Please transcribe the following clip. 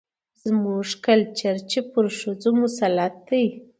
زموږ کلچر چې پر ښځو مسلط دى،